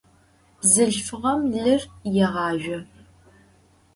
Bzılhfığem lır yêğazjo.